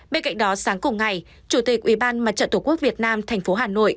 bên cạnh đó sáng cùng ngày chủ tịch ủy ban mặt trận tổ quốc việt nam thành phố hà nội